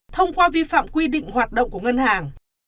thông qua vi phạm quy định hoạt động của ngân hàng